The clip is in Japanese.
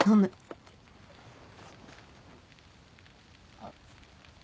あっ。